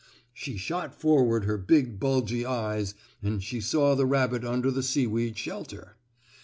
She shot forward her big, bulgy eyes, and she saw the rabbit under the seaweed shelter.